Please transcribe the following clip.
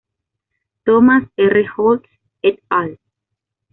Thomas R. Holtz "et al.